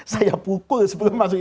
saya pukul sebelum masuk